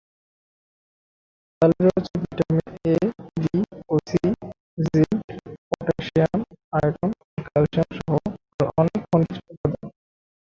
তালে রয়েছে vitamin A, B ও সি, জিংক, পটাসিয়াম, আয়রন ও ক্যালসিয়াম সহ আরো অনেক খনিজ উপাদান।